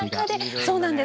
そうなんです